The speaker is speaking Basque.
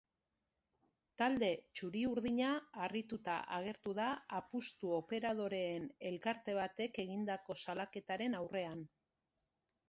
Talde txuri-urdina harrituta agertu da apustu-operadoreen elkarte batek egindako salaketaren aurrean.